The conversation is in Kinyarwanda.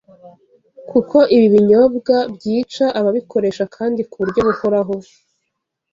kuko ibi binyobwa byica ababikoresha kandi ku buryo buhoraho.